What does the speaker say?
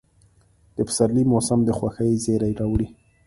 د پسرلي موسم د خوښۍ زېرى راوړي.